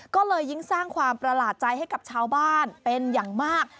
ก็เลยยิ่งสร้างความประหลาดใจให้กับชาวบ้านเป็นอย่างมาก